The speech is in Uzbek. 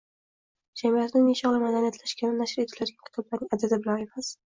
Jamiyatning nechog‘li madaniyatlashgani nashr etilayotgan kitoblarning adadi bilan emas